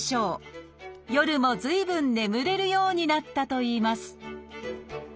夜も随分眠れるようになったといいます